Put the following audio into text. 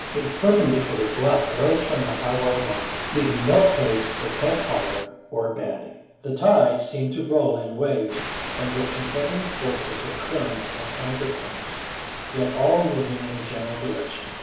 A perpendicular bluff rose from the highwater mark, leaving no place for camp fire or bed. The tide seemed to roll in waves and with contending forces of currents and counter currents, yet all moving in a general direction.